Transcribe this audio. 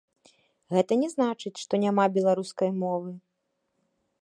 Гэта не значыць, што няма беларускай мовы.